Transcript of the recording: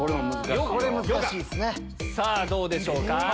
さぁどうでしょうか？